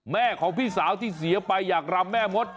แม่ของพี่สาวที่เสียไปอยากรำแม่มด